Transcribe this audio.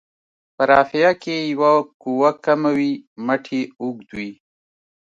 په رافعه کې که یوه قوه کمه وي مټ یې اوږد وي.